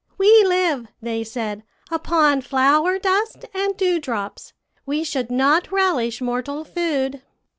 'We live,' they said, 'upon flower dust and dewdrops; we should not relish mortal food.'